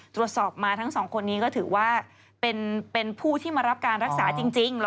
ตรวจสอบมาทั้งสองคนนี้ก็ถือว่าเป็นผู้ที่มารับการรักษาจริง